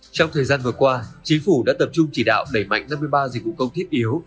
trong thời gian vừa qua chính phủ đã tập trung chỉ đạo đẩy mạnh năm mươi ba dịch vụ công thiết yếu